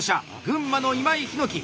群馬の今井陽樹！